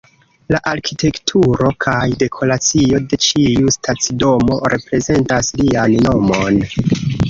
La arkitekturo kaj dekoracio de ĉiu stacidomo reprezentas lian nomon.